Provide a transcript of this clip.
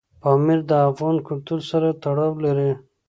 پامیر د افغان کلتور سره تړاو لري.